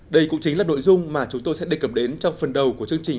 đây cũng chính là nội dung mà chúng tôi sẽ đề cập đến trong phần đầu của chương trình